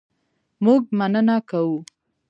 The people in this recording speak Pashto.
مونږ مننه کوو